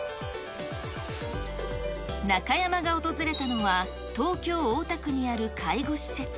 中山が訪れたのは、東京・大田区にある介護施設。